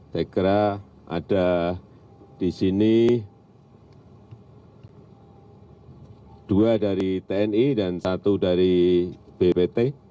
saya kira ada di sini dua dari tni dan satu dari bwt